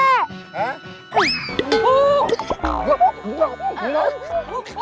aduh aduh aduh